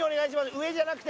上じゃなくて。